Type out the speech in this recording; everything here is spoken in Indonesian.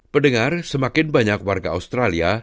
pendengar semakin banyak warga australia